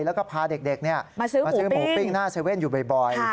แล้วก็พาเด็กมาซื้อหมูปิ้งหน้าเว่นอยู่บ่อย